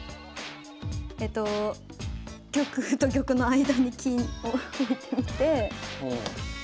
えと玉と玉の間に金を置いてみて。